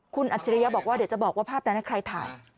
คุณอัจฉริยะบอกว่าเดี๋ยวจะบอกว่าภาพนั้นใครถ่าย